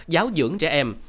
giáo dưỡng trẻ em